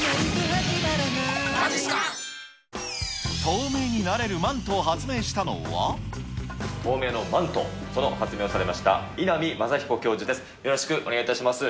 透明になれるマントを発明し透明のマント、その発明をされました、稲見昌彦教授です。